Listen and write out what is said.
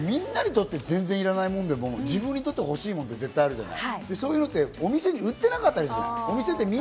みんなにとって全然いらないものでも、自分にとって欲しい物って絶対あるじゃない。